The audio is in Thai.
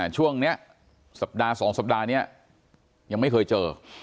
ช่วงนี้สัปดาห์๒สัปดาห์นี้ยังไม่เคยเจอ